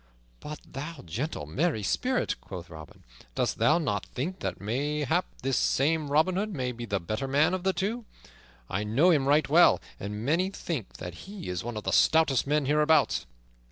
"But thou gentle, merry spirit," quoth Robin, "dost thou not think that mayhap this same Robin Hood may be the better man of the two? I know him right well, and many think that he is one of the stoutest men hereabouts."